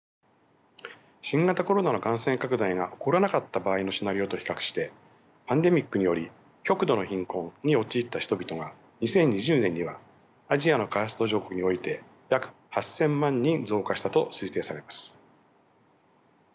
新型コロナの感染拡大が起こらなかった場合のシナリオと比較してパンデミックにより極度の貧困に陥った人々が２０２０年にはアジアの開発途上国において約８，０００万人増加したと推定されます。